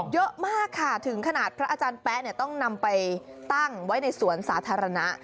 เยอะมากค่ะถึงขนาดพระอาจารย์แป๊ะต้องนำไปตั้งไว้ในสวนสาธารณะ